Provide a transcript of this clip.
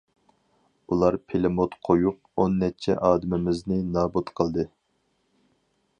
ئۇلار پىلىموت قويۇپ ئون نەچچە ئادىمىمىزنى نابۇت قىلدى.